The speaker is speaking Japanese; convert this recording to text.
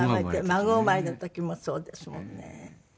孫生まれた時もそうですもんね。